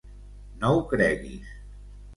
No ho creguis.